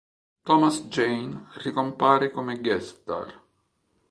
Thomas Jane ricompare come guest star.